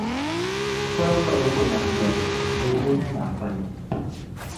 Palo palo ku nam yoli, bilibili ni nam palo.